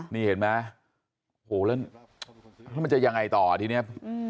นี่เห็นไหมโหแล้วแล้วมันจะยังไงต่อทีนี้